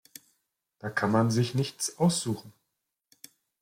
Da kann man sich nichts aussuchen.